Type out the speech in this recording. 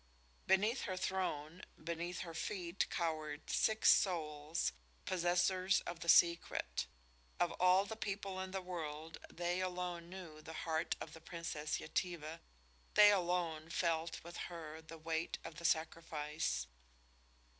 Beneath her throne, beneath her feet, cowered six souls, possessors of the secret. Of all the people in the world they alone knew the heart of the Princess Yetive, they alone felt with her the weight of the sacrifice.